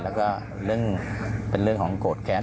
แล้วก็เรื่องเป็นเรื่องของโกรธแค้น